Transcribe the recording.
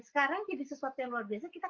sekarang jadi sesuatu yang luar biasa kita